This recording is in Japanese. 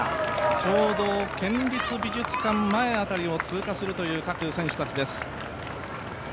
ちょうど県立美術館前辺りを通過する各選手たちです。